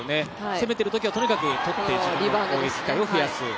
攻めてるときはとにかくとって攻撃機会を増やす。